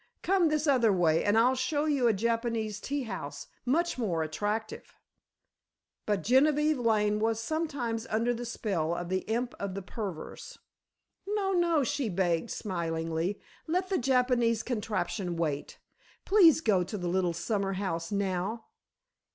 Come this other way, and I'll show you a Japanese tea house, much more attractive." But Genevieve Lane was sometimes under the spell of the Imp of the Perverse. "No, no," she begged, smilingly, "let the Japanese contraption wait; please go to the little summer house now.